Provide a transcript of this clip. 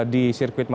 di sirkuit ini